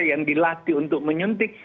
yang dilatih untuk menyuntik